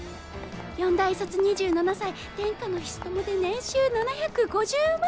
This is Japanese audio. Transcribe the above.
４大卒２７歳天下の菱友で年収７５０万！